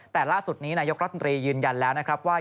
แต่ล่าสุดนี้นายกรัฐมนตรียืนยันแล้วนะครับว่า